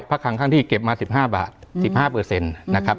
พระคังข้างที่เก็บมา๑๕บาท๑๕เปอร์เซ็นต์นะครับ